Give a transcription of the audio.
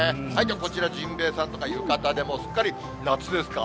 こちら、じんべえさんとか浴衣で、すっかり夏ですか？